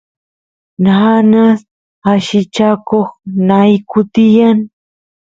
nanas allichakoq nayku tiyan